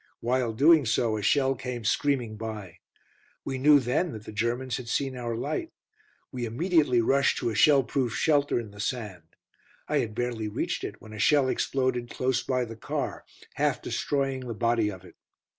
While doing so a shell came screaming by. We knew then that the Germans had seen our light. We immediately rushed to a shell proof shelter in the sand. I had barely reached it when a shell exploded close by the car, half destroying the body of it.